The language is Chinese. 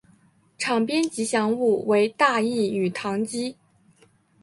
场边吉祥物为大义与唐基。